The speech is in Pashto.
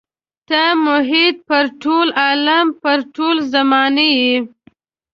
ته محیط پر ټول عالم پر ټول زمان یې.